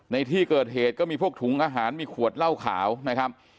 ในที่เกิดเหตุก็มีพวกถุงอาหารมีขวดเหล้าขาวนะครับ